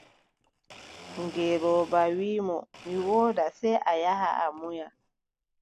Ngeelooba wii mo: mi woodaa, sey a yaha a munya.